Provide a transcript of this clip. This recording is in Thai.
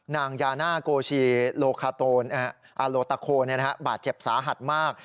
นางยาน่าโกชีโลคาโตโลตะโคบาดเจ็บสาหัสมาก